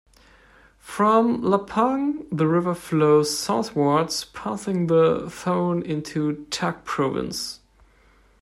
From Lampang, the river flows southwards passing by Thoen into Tak Province.